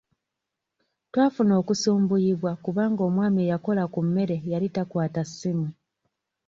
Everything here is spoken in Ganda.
Twafuna okusumbuyibwa kubanga omwami eyakola ku mmere yali takwata ssimu.